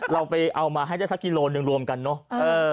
เราไปเอามาให้ได้สักกิโลหนึ่งรวมกันเนอะ